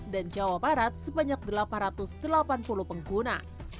dan jawa barat sebanyak delapan ratus delapan puluh pengguna